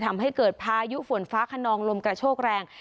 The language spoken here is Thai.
ทำให้เกิดพายุฝนฟ้าขนองลมกระโชกแรง